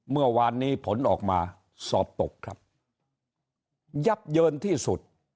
เมื่อวานนี้ผลออกมาสอบตกครับยับเยินที่สุด